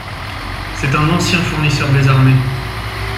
C’est un ancien fournisseur des armées…